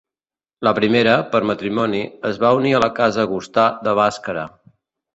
La primera, per matrimoni, es va unir a la casa Gustà de Bàscara.